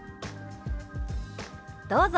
どうぞ！